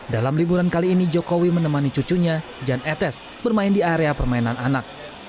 dalam liburan kali ini jokowi menemani cucunya jan etes bermain di area permainan anak